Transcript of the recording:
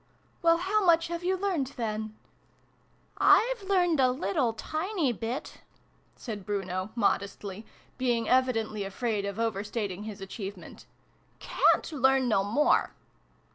:( Well, how much have you learned, then ?"" I've learned a little tiny bit," said Bruno, modestly, being evidently afraid of overstating his achievement. " Cant learn no more